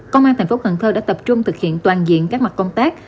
công an tp cn đã tập trung thực hiện toàn diện các mặt công tác